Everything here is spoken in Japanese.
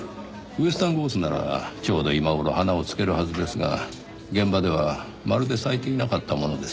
ウェスタンゴースならちょうど今頃花をつけるはずですが現場ではまるで咲いていなかったものですから。